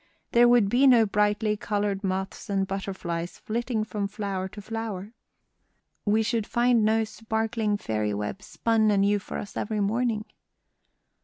There would be no brightly colored moths and butterflies flitting from flower to flower. We should find no sparkling fairy webs spun anew for us every morning."